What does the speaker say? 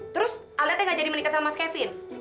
terus alda gak jadi menikah sama mas kevin